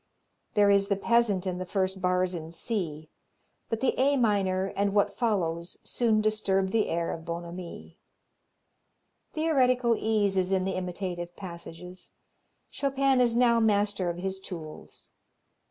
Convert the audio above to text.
There is the peasant in the first bars in C, but the A minor and what follows soon disturb the air of bonhomie. Theoretical ease is in the imitative passages; Chopin is now master of his tools.